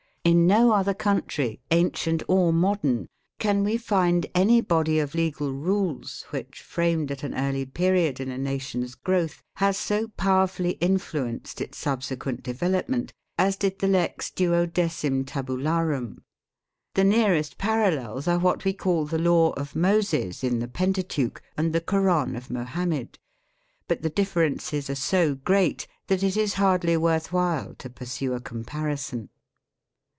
In no other country, ancient or modern, can we find any body of legal rules which, framed at an early period in a nation's growth, has so powerfully influenced its Xll PREFACE subsequent development, as did the " Lex Duodecim Tabularum ". The nearest parallels are what we call the Law of Moses in the Pentateuch, and the Koran of Mohammed, but the differences are so great that it is hardly worth while to pursue a comparison.